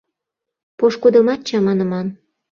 — Пошкудымат чаманыман...